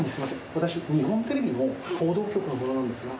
私、日本テレビの報道局の者なんですが。